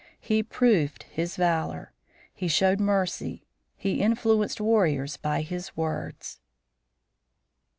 He proved his valor; he showed mercy; he influenced warriors by his words.